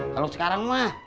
kalau sekarang mah